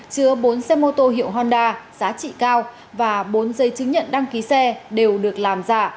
chứa bốn xe mô tô hiệu honda giá trị cao và bốn giấy chứng nhận đăng ký xe đều được làm giả